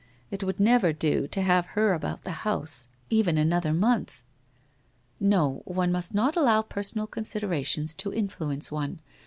It would never do to have her about the house even another month. No, one must not allow personal considerations to influence one.